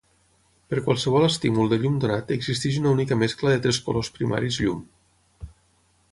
Per qualsevol estímul de llum donat existeix una única mescla de tres colors primaris llum.